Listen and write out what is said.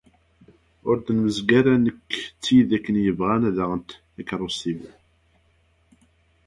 Ur d-nemzeg ara nekk d tid akken yebɣan ad aɣent takerrust-iw.